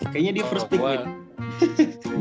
kayaknya dia first pick gitu